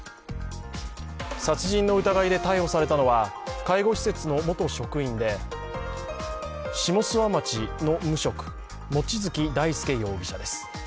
殺人の疑いで逮捕されたのは介護施設の元職員で下諏訪町の無職・望月大輔容疑者です。